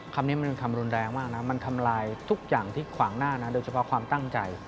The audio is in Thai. คำนี้มันเป็นคำรุนแรงมากนะมันทำลายทุกอย่างที่ขวางหน้านะโดยเฉพาะความตั้งใจ